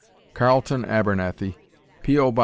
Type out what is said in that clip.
Carlton Abernathy, P. O.